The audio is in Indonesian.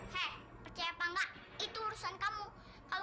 seperti suara orang